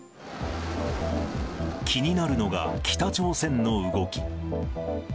気になるのが北朝鮮の動き。